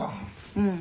うん。